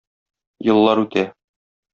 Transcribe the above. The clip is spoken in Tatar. Еллар үтә...